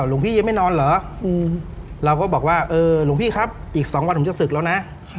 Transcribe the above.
หลวงพี่ยังไม่นอนเหรอเราก็บอกว่าเออหลวงพี่ครับอีก๒วันผมจะศึกแล้วนะ